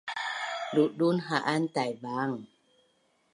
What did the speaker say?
Ludun ha’an Taivang